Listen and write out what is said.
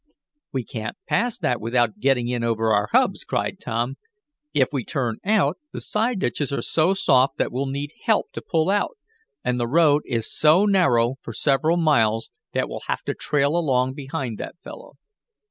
"We can't pass that without getting in over our hubs!" cried Tom. "If we turn out the side ditches are so soft that we'll need help to pull out, and the road is so narrow for several miles that we'll have to trail along behind that fellow."